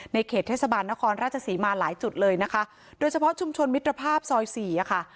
เขตเทศบาลนครราชศรีมาหลายจุดเลยนะคะโดยเฉพาะชุมชนมิตรภาพซอยสี่อ่ะค่ะ